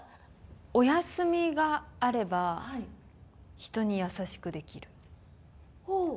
お休みがあれば人に優しくでほぉ。